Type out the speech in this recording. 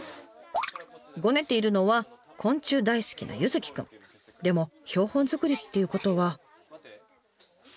ごねているのは昆虫大好きなでも標本作りっていうことは。